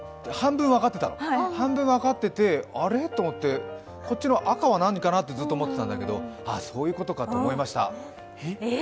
半分分かってて、あれ？と思ってこっちの赤は何かなと思ってたんだけどあ、そういうことかと思いました。